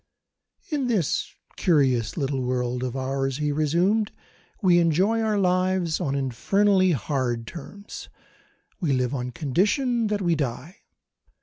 "In this curious little world of ours," he resumed, "we enjoy our lives on infernally hard terms. We live on condition that we die.